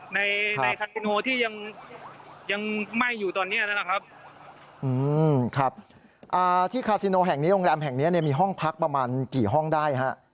ในในที่ยังยังไหม้อยู่ตอนนี้แล้วนะครับอือครับอ่าที่แห่งนี้โรงแรมแห่งนี้เนี่ยมีห้องพักประมาณกี่ห้องได้ฮะ